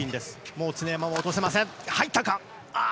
もう常山は落とせません。